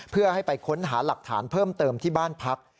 เพื่อให้ไปค้นหาหลักฐานเพิ่มเติมที่บ้านพัก